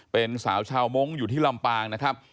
เป็นสาวชาวมงค์อยู่ที่ลำปางนะครับ